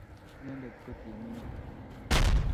Inenendet ko tienidet